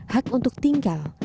hak untuk tinggal